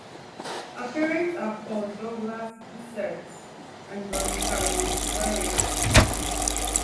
Her parents are Paul Douglas Bissett and Veronica Rose Ferrie.